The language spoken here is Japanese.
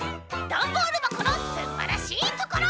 「ダンボールばこのすんばらしいところ！」。